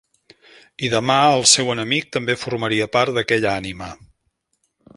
I, demà, el seu enemic també formaria part d'aquella Ànima.